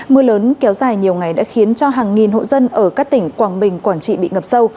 mưa lớn kéo dài nhiều ngày đã khiến cho hàng nghìn hộ dân ở các tỉnh quảng bình quảng trị bị ngập sâu